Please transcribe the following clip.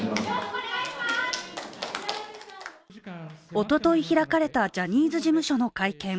おととい開かれたジャニーズ事務所の会見。